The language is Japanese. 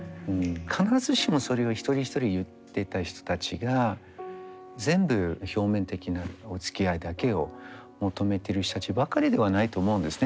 必ずしもそれを一人一人言ってた人たちが全部表面的なおつきあいだけを求めてる人たちばかりではないと思うんですね。